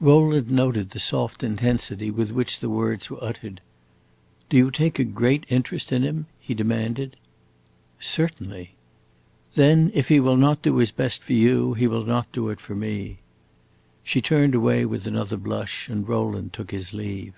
Rowland noted the soft intensity with which the words were uttered. "Do you take a great interest in him?" he demanded. "Certainly." "Then, if he will not do his best for you, he will not do it for me." She turned away with another blush, and Rowland took his leave.